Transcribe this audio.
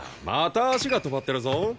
また足が止まってるぞ。